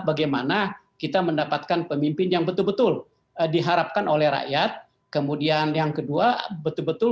bagaimana kita mendapatkan pemimpin yang betul betul diharapkan oleh rakyat kemudian yang kedua betul betul